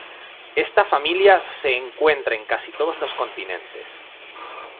Esta familia se encuentra en casi todos los continentes.